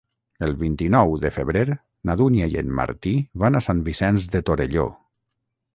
El vint-i-nou de febrer na Dúnia i en Martí van a Sant Vicenç de Torelló.